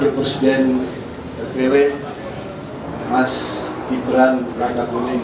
dan secara jadinya harus miterbakan di weberuitasi tudo dengan sekaligus